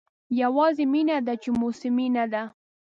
یوازې مینه ده چې موسمي نه ده.